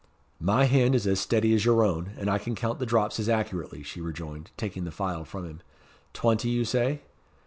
"My hand is as steady as your own, and I can count the drops as accurately," she rejoined, taking the phial from him. "Twenty, you say?"